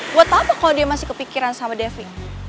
gua tau apa kalo dia masih kepikiran sama devi